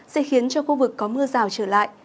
sẽ khiến cho khu vực có mưa rào trở lại